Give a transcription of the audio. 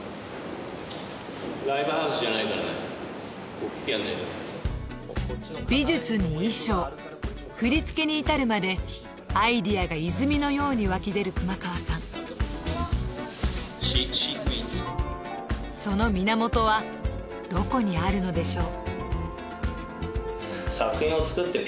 おっきくやんないと美術に衣装振り付けに至るまでアイデアが泉のように湧き出る熊川さんその源はどこにあるのでしょう